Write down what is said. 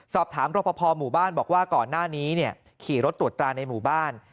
สอบถามรปภหมู่บ้านบอกว่าก่อนหน้านี้ขี่รถตรวจตราในหมู่บ้าน